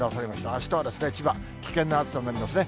あしたは千葉、危険な暑さになりますね。